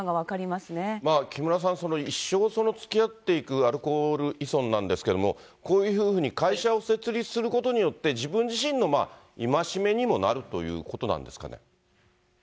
まあ木村さん、一生つきあっていくアルコール依存なんですけれども、こういうふうに、会社を設立することによって、自分自身の戒めにもなるということなんですかね。